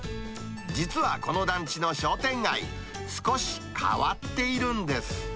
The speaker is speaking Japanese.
実はこの団地の商店街、少し変わっているんです。